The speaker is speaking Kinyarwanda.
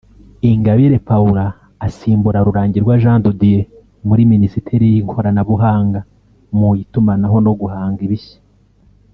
Ingabire Paula asimbura Rurangirwa Jean de Dieu muri Minisiteri y’ikoranabuhanga mu itumanaho no guhanga ibishya